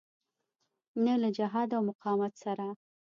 نه له جهاد او مقاومت سره.